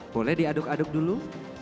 boleh diaduk aduk dulu